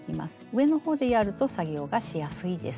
上の方でやると作業がしやすいです。